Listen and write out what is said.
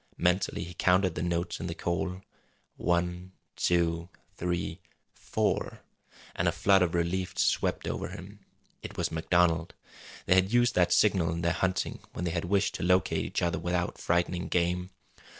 Mentally he counted the notes in the call. One, two, three, four and a flood of relief swept over him. It was MacDonald. They had used that signal in their hunting, when they had wished to locate each other without frightening game.